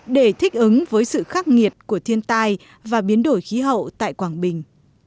để thích ứng với sự khắc nghiệt của thiên tai và biến đổi khí hậu tại quảng bình